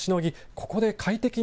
ここで快適に